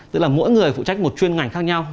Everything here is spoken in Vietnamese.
tức là mỗi người phụ trách một chuyên ngành khác nhau